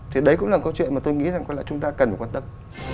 thì đấy cũng là một câu chuyện mà tôi nghĩ rằng chúng ta cần quan tâm